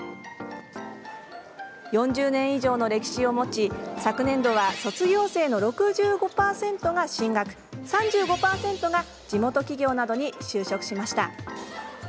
４０年以上の歴史を持ち昨年度は卒業生の６５％が進学３５％が地元企業などに就職しました。